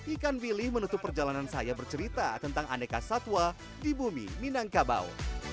ikan wilih menutup perjalanan saya bercerita tentang aneka satwa di bumi minangkabau